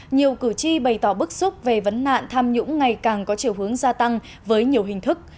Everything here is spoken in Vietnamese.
nhiều cử tri bày tỏ bức xúc về vấn nạn tham nhũng ngày càng có chiều hướng gia tăng với nhiều hình thức